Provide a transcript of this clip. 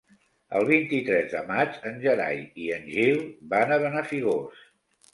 El vint-i-tres de maig en Gerai i en Gil van a Benafigos.